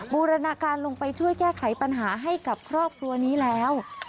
บูรณาการลงไปช่วยแก้ไขปัญหาให้กับครอบครัวนี้แล้ว